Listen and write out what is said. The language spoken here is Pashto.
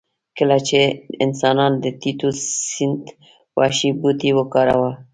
کله چې انسانانو د تیوسینټ وحشي بوټی وکاراوه